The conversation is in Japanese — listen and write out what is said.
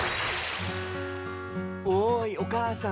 「おいお母さん」